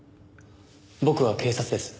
僕は警察です。